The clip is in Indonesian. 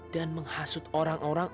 dan menghasut orang orang